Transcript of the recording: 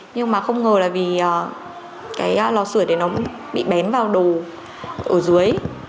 nhưng mà không ngờ là vì cái lò sửa đấy nó bị bén vào đồ ở dưới